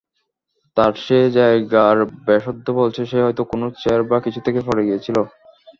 তার সেই জায়গার ব্যাসার্ধ বলছে সে হয়ত কোন চেয়ার বা কিছু থেকে পড়ে গিয়েছিলো।